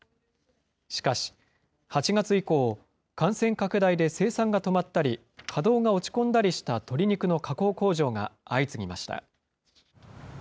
しかし、８月以降、感染拡大で生産が止まったり、稼働が落ち込んだりした鶏肉の加工工場が相次ぎました。